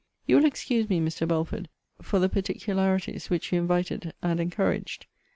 You will excuse me, Mr. Belford, for the particularities which you invited and encouraged.